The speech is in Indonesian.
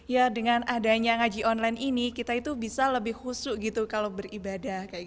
ya dengan adanya ngaji online ini kita itu bisa lebih husu gitu kalau beribadah